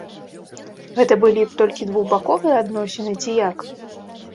Гэта былі б толькі двухбаковыя адносіны ці як?